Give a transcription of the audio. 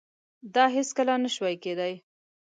دا هیڅکله نشوای کېدای.